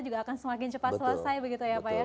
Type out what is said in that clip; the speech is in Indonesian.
juga akan semakin cepat selesai begitu ya pak ya